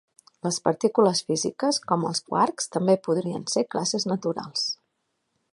Les partícules físiques, com els quarks, també podrien ser classes naturals.